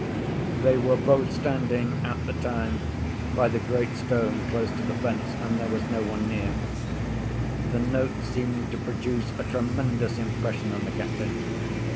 They were both standing at the time by the great stone close to the fence, and there was no one near. The notes seemed to produce a tremendous impression on the captain.